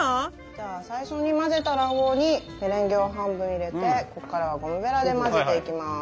じゃあ最初に混ぜた卵黄にメレンゲを半分入れてここからはゴムベラで混ぜていきます。